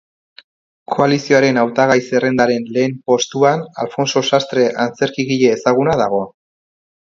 Koalizioaren hautagai-zerrendaren lehen postuan Alfonso Sastre antzerkigile ezaguna dago.